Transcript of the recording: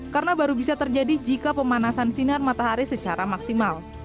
karena baru bisa terjadi jika pemanasan sinar matahari secara maksimal